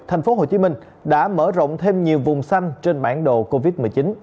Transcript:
thành phố hồ chí minh đã mở rộng thêm nhiều vùng xanh trên bản đồ covid một mươi chín